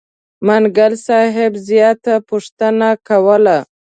منګل صاحب زیاته پوښتنه کوله.